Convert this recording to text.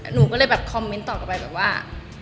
หนูก็เลยแบบคอมเมนต์ต่อกลับไปแบบว่า